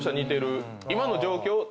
今の状況。